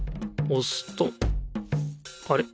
おすとあれ？